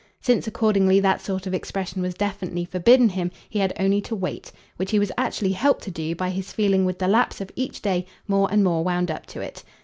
Since accordingly that sort of expression was definitely forbidden him he had only to wait which he was actually helped to do by his feeling with the lapse of each day more and more wound up to it.